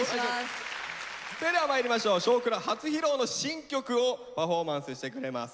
それではまいりましょう「少クラ」初披露の新曲をパフォーマンスしてくれます。